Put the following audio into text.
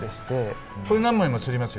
これ何枚も刷りますよね？